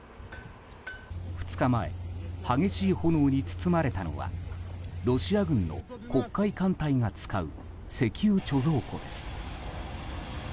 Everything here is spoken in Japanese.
２日前、激しい炎に包まれたのはロシア軍の黒海艦隊が使う石油貯蔵庫です。